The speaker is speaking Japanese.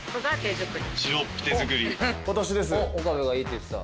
岡部がいいって言ってた。